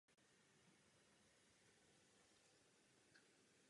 Vývoj se pouze těžko dá nazvat stabilním nebo demokratickým.